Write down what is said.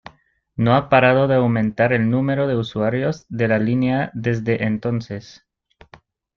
No ha parado de aumentar el número de usuarios de la línea desde entonces.